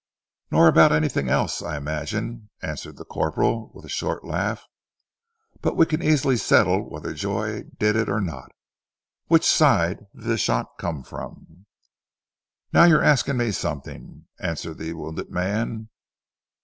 "Nor about anything else, I imagine?" answered the corporal with a short laugh. "But we can easily settle whether Joy did it or not. Which side did the shot come from?" "Now you're asking me something," answered the wounded man.